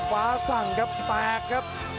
ฟ้าสั่งครับแตกครับ